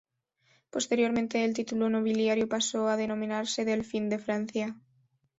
Posteriormente el título nobiliario paso a denominarse "delfín de Francia".